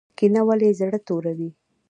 کینه ولې زړه توروي؟